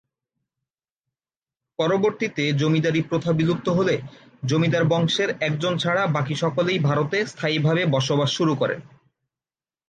পরবর্তীতে জমিদারী প্রথা বিলুপ্ত হলে জমিদার বংশের একজন ছাড়া বাকি সকলেই ভারতে স্থায়ীভাবে বসবাস শুরু করেন।